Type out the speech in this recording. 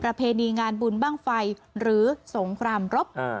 เพณีงานบุญบ้างไฟหรือสงครามรบ